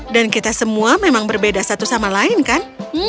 dan kita semua memang berbeda satu sama lain kan